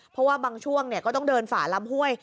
เพราะว่าบางช่วงก็ต้องเดินฝ่าลำห้วย